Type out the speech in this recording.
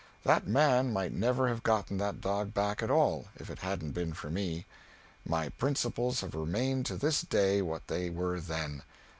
That man might never have gotten that dog back at all, if it hadn't been for me. My principles have remained to this day what they were then.